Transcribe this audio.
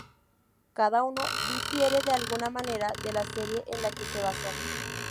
Cada uno difiere de alguna manera de la serie en la que se basó.